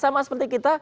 sama seperti kita